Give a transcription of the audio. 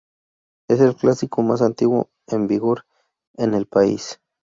Es el clásico más antiguo en vigor en el país.